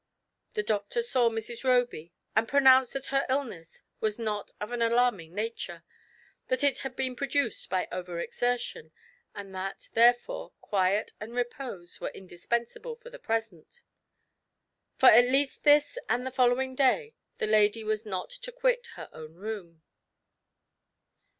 The doctor saw Mrs. Roby, and pronounced that her illness was not of an alarming nature ; that it had been produced by over exertion, and that, therefore, quiet and repose were indispensable for the present. For at least this and the following day, the lady was not to quit her own room.